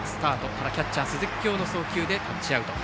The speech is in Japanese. ただキャッチャー、鈴木叶の送球でタッチアウト。